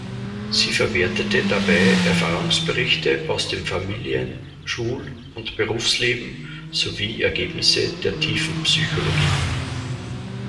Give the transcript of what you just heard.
Sie verwertete dabei Erfahrungsberichte aus dem Familien-, Schul- und Berufsleben sowie Ergebnisse der Tiefenpsychologie.